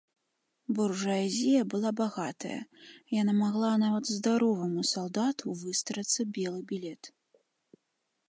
Буржуазія была багатая, яна магла нават здароваму салдату выстарацца белы білет.